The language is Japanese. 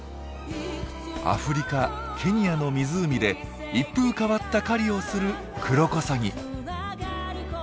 アフリカケニアの湖で一風変わった狩りをするクロコサギ。